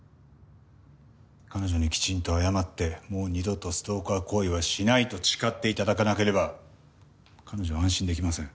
彼女にきちんと謝ってもう二度とストーカー行為はしないと誓って頂かなければ彼女は安心できません。